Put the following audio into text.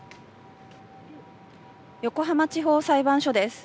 横浜地方裁判所です。